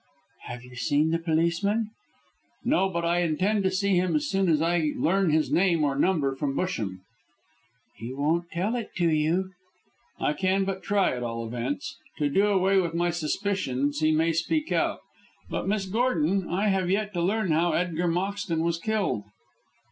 "Have you seen the policeman?" "No, but I intend to see him as soon as I learn his name or number from Busham." "He won't tell it to you." "I can but try, at all events. To do away with my suspicions he may speak out. But, Miss Gordon, I have yet to learn how Edgar Moxton was killed."